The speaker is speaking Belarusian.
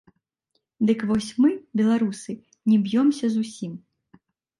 Дык вось, мы, беларусы, не б'ёмся зусім.